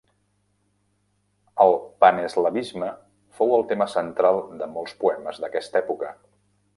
El Paneslavisme fou el tema central de molts poemes d'aquesta època.